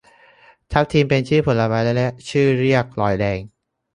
ทับทิม เป็นชื่อผลไม้ ละชื่อเรียกพลอยแดง